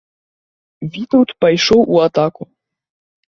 Вітаўт пайшоў у атаку.